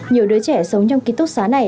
nhiều đứa trẻ sống trong ký túc xá này